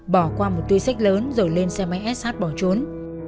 bỏ qua một tuy sách lớn rồi lên xe máy sh bỏ trốn